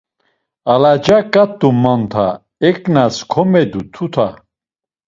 Alaca ǩat̆u monta, eǩnas komedu tuta.